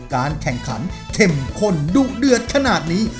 การแข่งขันเข้มข้นดุเดือดขนาดนี้